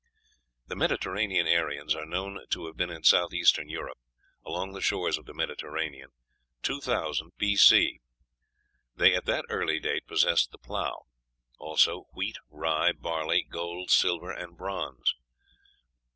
The Mediterranean Aryans are known to have been in Southeastern Europe, along the shores of the Mediterranean, 2000 B.C. They at that early date possessed the plough; also wheat, rye, barley, gold, silver, and bronze.